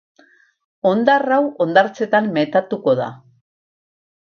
Hondar hau hondartzetan metatuko da.